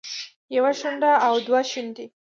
يوه شونډه او دوه شونډې